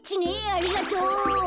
ありがとう。